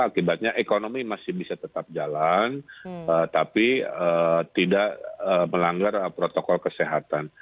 akibatnya ekonomi masih bisa tetap jalan tapi tidak melanggar protokol kesehatan